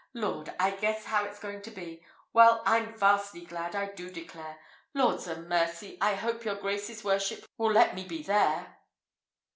Lord! I guess how it's going to be. Well, I'm vastly glad, I do declare. Lord 'a mercy! I hope your grace's worship will let me be there!"